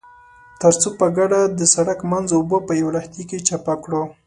ترڅو په ګډه د سړک منځ اوبه په يوه لښتي کې چپه کړو.